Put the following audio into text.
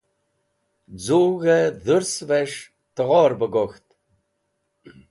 Z̃ug̃hẽ dhursẽvẽs̃h tẽghor bẽ gok̃ht